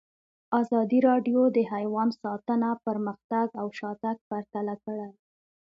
ازادي راډیو د حیوان ساتنه پرمختګ او شاتګ پرتله کړی.